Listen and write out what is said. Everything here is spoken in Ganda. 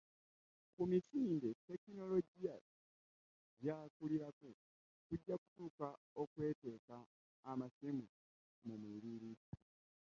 ku misinde tekinologiya gy'akulirako tujja kutuuka okweteeka amasimu mu mibiri.